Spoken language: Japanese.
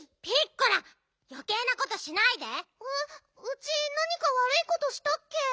ウチなにかわるいことしたっけ？